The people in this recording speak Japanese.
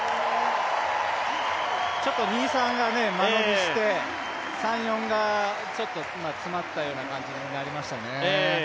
ちょっと２、３が間延びして、３、４が詰まったような感じになりましたね。